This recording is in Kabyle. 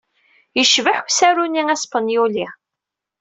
Yecbeḥ usaru-nni aspanyuli.